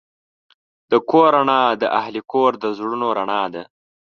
د کور رڼا د اهلِ کور د زړونو رڼا ده.